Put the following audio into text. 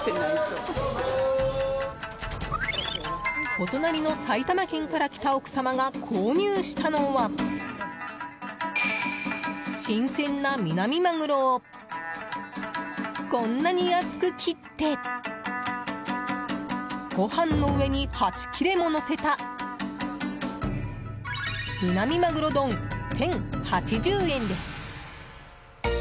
お隣の埼玉県から来た奥様が購入したのは新鮮なミナミマグロをこんなに厚く切ってご飯の上に８切れものせた南まぐろどん、１０８０円です。